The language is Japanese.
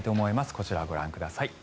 こちらをご覧ください。